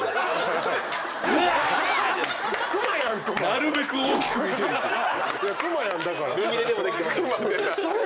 なるべく大きく見せるは。